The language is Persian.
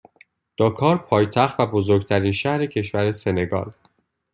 داکار پایتخت و بزرگترین شهر کشور سنگال